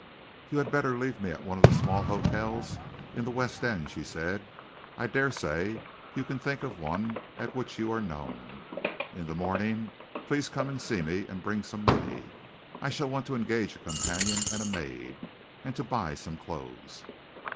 "You had better leave me at one of the small hotels in the west end," she said. "I daresay you can think of one at which you are known. In the morning, please come and see me and bring some money. I shall want to engage a companion and a maid, and to buy some clothes."